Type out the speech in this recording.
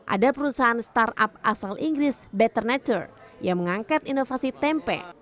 ada perusahaan startup asal inggris betternatur yang mengangkat inovasi tempe